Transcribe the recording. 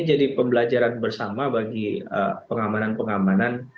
ini jadi pembelajaran bersama bagi pengamanan pengamanan